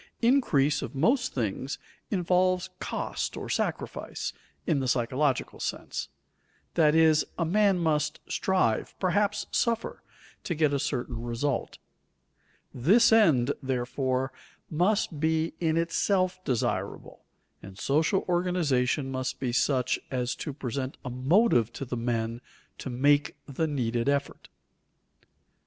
Increase of most things involves "cost" or sacrifice, in the psychological sense; that is, man must strive, perhaps suffer, to get a certain result. This end, therefore, must be in itself desirable, and social organization must be such as to present a motive to the men to make the needed effort.